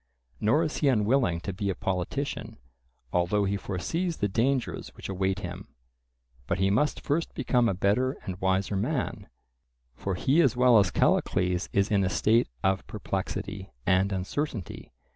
Nor is he unwilling to be a politician, although he foresees the dangers which await him; but he must first become a better and wiser man, for he as well as Callicles is in a state of perplexity and uncertainty.